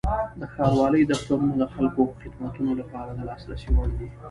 د ښاروالۍ دفترونه د خلکو خدمتونو لپاره د لاسرسي وړ دي.